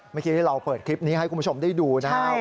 เมื่อกี้ที่เราเปิดคลิปนี้ให้คุณผู้ชมได้ดูนะครับ